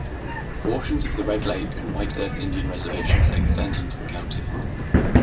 Portions of the Red Lake and White Earth Indian reservations extend into the county.